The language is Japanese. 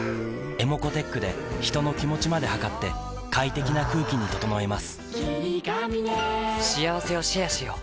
ｅｍｏｃｏーｔｅｃｈで人の気持ちまで測って快適な空気に整えます